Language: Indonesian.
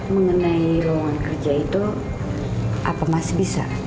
mengenai lowongan kerja itu apa masih bisa